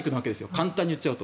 簡単に言っちゃうと。